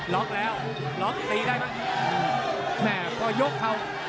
ล็อกแล้วล็อกตีได้บ้างแม่ก็ยกเขา